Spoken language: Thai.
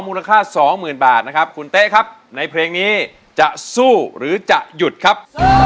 มูลค่าสองหมื่นบาทนะครับคุณเต๊ะครับในเพลงนี้จะสู้หรือจะหยุดครับ